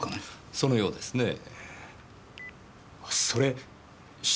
そのようですねぇ。